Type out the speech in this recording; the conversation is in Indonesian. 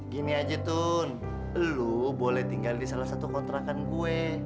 gini aja tuh lo boleh tinggal di salah satu kontrakan gue